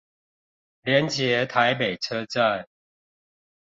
連結臺北車站